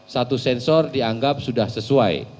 satu sensor dianggap sudah sesuai